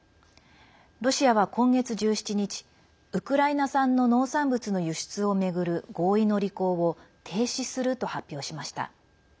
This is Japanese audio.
ロシアは今月１７日ウクライナ産の農産物の輸出を巡る合意の履行を停止すると発表しました。